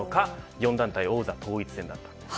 ４団体王座統一戦なんです。